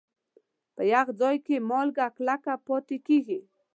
په یخ ځای کې مالګه کلکه پاتې کېږي.